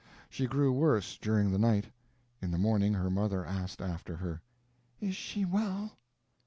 She grew worse during the night. In the morning her mother asked after her: "Is she well?"